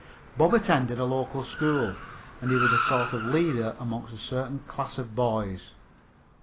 Bob attended the local school, and he was a sort of leader among a certain class of boys.